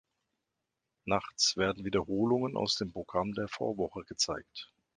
Nachts werden Wiederholungen aus dem Programm der Vorwoche gezeigt.